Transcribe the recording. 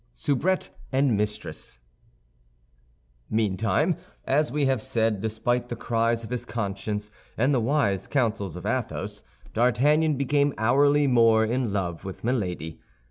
SOUBRETTE AND MISTRESS Meantime, as we have said, despite the cries of his conscience and the wise counsels of Athos, D'Artagnan became hourly more in love with Milady.